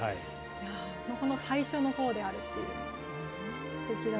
この最初のほうであるという。